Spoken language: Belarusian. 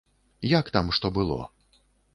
Як там што было.